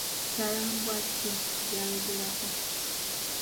Ssalambwa ki ly’ayogerako?